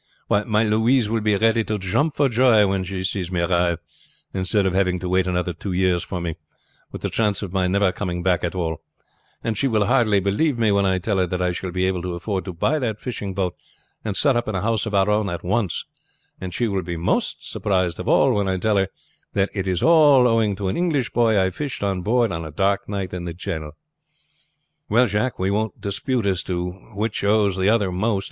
Why, my Louise will be ready to jump for joy when she sees me arrive, instead of having to wait another two years for me, with the chance of my never coming back at all; and she will hardly believe me when I tell her that I shall be able to afford to buy that fishing boat and set up in a house of our own at once; and she will be most surprised of all when I tell her that it is all owing to an English boy I fished on board on a dark night in the channel." "Well, Jacques, we won't dispute as to which owes the other most.